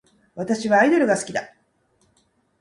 私はアイドルが好きだ